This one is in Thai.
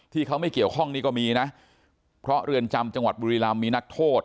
ที่เขาไม่เกี่ยวข้องนี้ก็มีนะเพราะเรือนจำจังหวัดบุรีรำมีนักโทษ